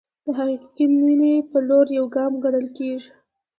د حقیقي مینې په لور یو ګام ګڼل کېږي.